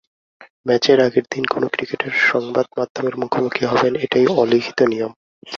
ম্যাচের আগের দিন কোনো ক্রিকেটার সংবাদ মাধ্যমের মুখোমুখি হবেন, এটাই অলিখিত নিয়ম।